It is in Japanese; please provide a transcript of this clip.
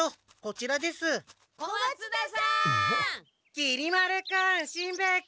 きり丸君しんべヱ君！